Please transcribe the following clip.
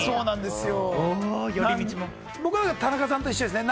僕は田中さんと一緒ですね。